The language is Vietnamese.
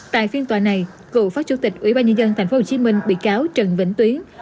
tại phiên tòa này cựu phó chủ tịch ủy ban nhân dân tp hcm bị cáo trần vĩnh tuyến